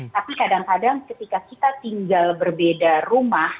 tapi kadang kadang ketika kita tinggal berbeda rumah